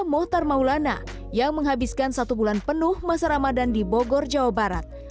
mohtar maulana yang menghabiskan satu bulan penuh masa ramadan di bogor jawa barat